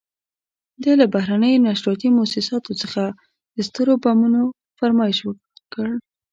ده له بهرنیو نشراتي موسساتو څخه د سترو بمونو فرمایش وکړ.